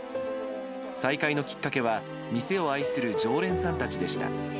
再開のきっかけは、店を愛する常連さんたちでした。